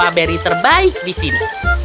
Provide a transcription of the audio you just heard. buah beri terbaik di sini